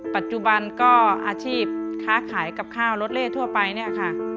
ปัจจุบันก็อาชีพค้าขายกับข้าวรถเล่ทั่วไปเนี่ยค่ะ